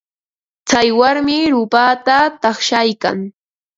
Tsay warmi ruupata taqshaykan.